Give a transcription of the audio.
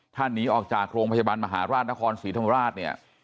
ท่านหนีออกจากโรงพจบันมหาราชนครศรีธรรมราช